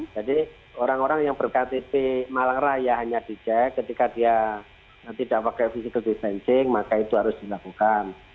jadi orang orang yang berktp malang raya hanya di check ketika dia tidak pakai physical distancing maka itu harus dilakukan